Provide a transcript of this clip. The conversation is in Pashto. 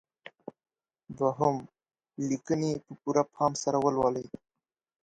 دوهم: لیکنې په پوره پام سره ولولئ.